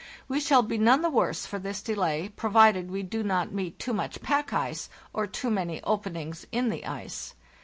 We shall be none the worse for this delay, provided we do not meet too much pack ice or too many openings in the ice.